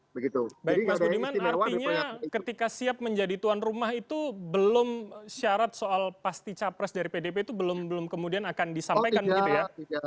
baik mas budiman artinya ketika siap menjadi tuan rumah itu belum syarat soal pasti capres dari pdp itu belum kemudian akan disampaikan begitu ya